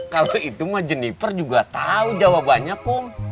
kalau itu mah jennifer juga tahu jawabannya kum